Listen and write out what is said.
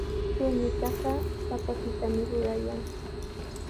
Chuñutaqa papapitami rurayan.